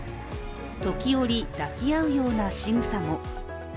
時折、抱き合うようなしぐさも。